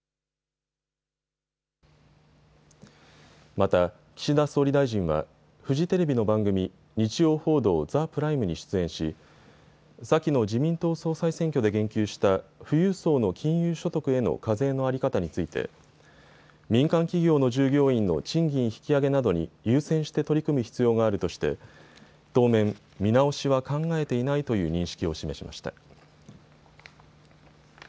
また岸田総理大臣はフジテレビの番組、日曜報道ＴＨＥＰＲＩＭＥに出演し先の自民党総裁選挙で言及した富裕層の金融所得への課税の在り方について民間企業の従業員の賃金引き上げなどに優先して取り組む必要があるとして当面、見直しは考えていないという認識を示しました。